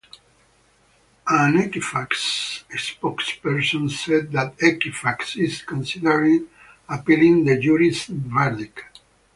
An Equifax spokesperson said that Equifax is considering appealing the jury's verdict.